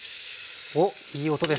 おっいい音です。